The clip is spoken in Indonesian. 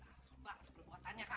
kita harus banges sebelum buat tanya kang